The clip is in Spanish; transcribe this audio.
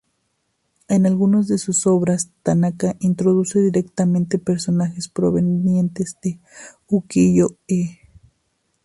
En algunas de sus obras Tanaka introduce directamente personajes provenientes de Ukiyo-e.